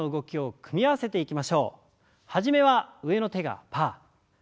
はじめは上の手がパー。